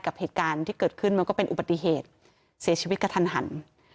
กับเหตุการณ์ที่เกิดขึ้นมันก็เป็นอุบัติเหตุเสียชีวิตกระทันหัน